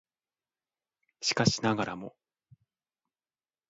しかしながらも